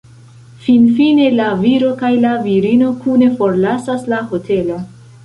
Finfine la viro kaj la virino kune forlasas la hotelon.